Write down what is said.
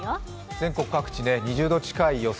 全国各地２０度近い予想